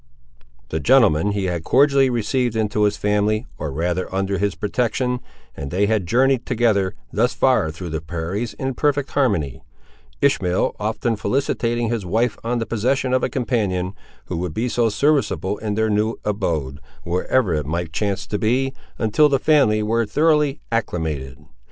This gentleman he had cordially received into his family, or rather under his protection, and they had journeyed together, thus far through the prairies, in perfect harmony: Ishmael often felicitating his wife on the possession of a companion, who would be so serviceable in their new abode, wherever it might chance to be, until the family were thoroughly "acclimated."